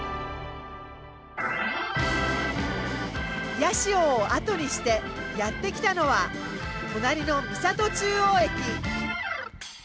八潮を後にしてやって来たのは隣の三郷中央駅。